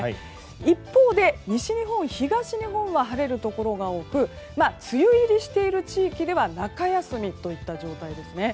一方で西日本、東日本は晴れるところが多く梅雨入りしている地域では中休みといった状態ですね。